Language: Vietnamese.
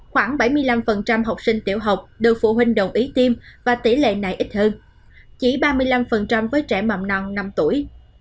khoảng bảy mươi năm học sinh tiểu học được phụ huynh đồng ý tiêm và tỷ lệ này ít hơn chỉ ba mươi năm với trẻ mầm non năm tuổi